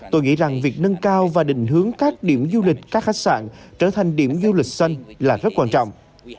tôi nghĩ rằng việc nâng cao và định hướng các điểm du lịch các khách sạn trở thành điểm du lịch xanh là rất quan trọng